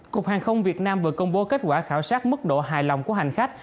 cục hàng không việt nam vừa công bố kết quả khảo sát mức độ hài lòng của hành khách